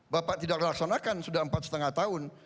bapak tidak laksanakan sudah empat lima tahun